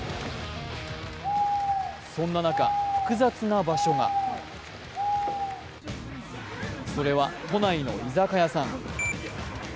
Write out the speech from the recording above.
そんな中、複雑な場所がそれは都内の居酒屋さん。